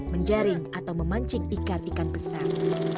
menjaring atau memancing ikan ikan besar